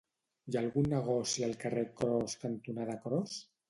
Hi ha algun negoci al carrer Cros cantonada Cros?